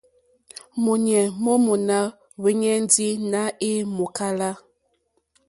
Mɔ̌ɲɛ̀ mó mòná hwɛ́nɛ́ ndí nà è mòkálá.